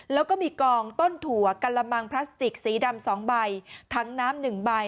แล้วก็มีกองต้นถั่วกะละมังพลาสติกสีดำ๒ใบถังน้ำหนึ่งใบ